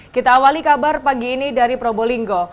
kita awali kabar pagi ini dari probolinggo